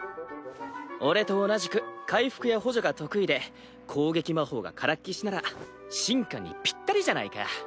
俺と同じく回復や補助が得意で攻撃魔法がからっきしなら神官にぴったりじゃないか。